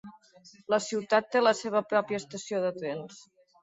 La ciutat té la seva pròpia estació de trens.